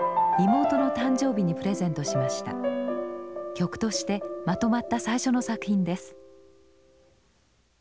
曲としてまとまった最初の作品です。